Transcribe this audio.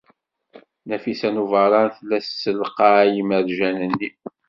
Nafisa n Ubeṛṛan tella tessalqay imerjan-nni.